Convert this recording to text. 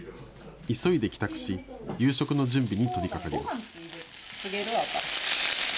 急いで帰宅し夕食の準備に取りかかります。